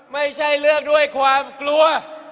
ไม่ใช่เลือกด้วยความกลัว